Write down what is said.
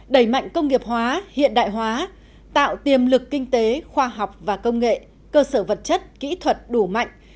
đẩy mạnh công nghiệp hóa hiện đại hóa tạo tiềm lực kinh tế khoa học và công nghệ cơ sở vật chất kỹ thuật đủ mạnh